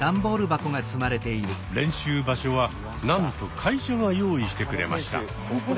練習場所はなんと会社が用意してくれました。